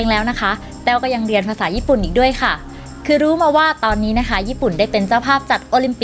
ไม่ได้เกี่ยวกับภาษาเลยเห็นไหม